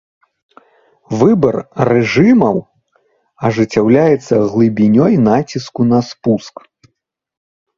Выбар рэжымаў ажыццяўляецца глыбінёй націску на спуск.